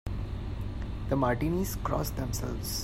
The Martinis cross themselves.